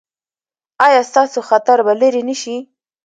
ایا ستاسو خطر به لرې نه شي؟